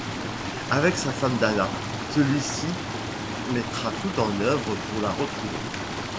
Avec sa femme Dana, celui-ci mettra tout en œuvre pour la retrouver.